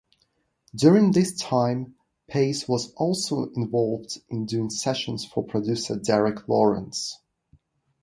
During this time, Paice was also involved in doing sessions for producer Derek Lawrence.